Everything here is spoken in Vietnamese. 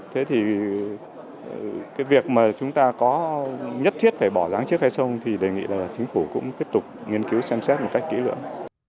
thế thì cái việc mà chúng ta có nhất thiết phải bỏ giáng trước hay xong thì đề nghị là chính phủ cũng tiếp tục nghiên cứu xem xét một cách kỹ lưỡng